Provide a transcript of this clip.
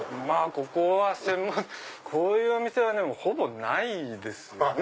ここは専門こういうお店はほぼないですよね。